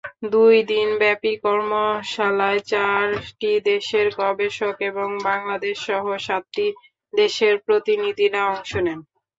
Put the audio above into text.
দুই দিনব্যাপী কর্মশালায় চারটি দেশের গবেষক এবং বাংলাদেশসহ সাতটি দেশের প্রতিনিধিরা অংশ নেন।